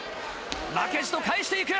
負けじと返して行く。